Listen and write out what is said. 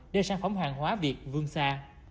để sản phẩm hàng hóa việt vương xa